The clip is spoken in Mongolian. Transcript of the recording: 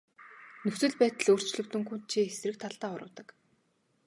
Нөхцөл байдал өөрчлөгдөнгүүт чи эсрэг талдаа урвадаг.